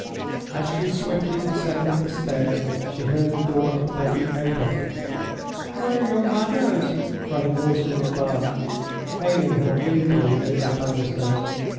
As she swiftly descended the stairs, she heard the door of the bedroom open. "Where are your manners?" cried a voice from above, hailing her feebly over the banisters.